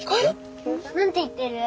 何て言ってる？